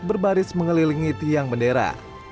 berbaris mengelilingi tiang bendera